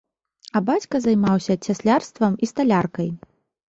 А бацька займаўся цяслярствам і сталяркай.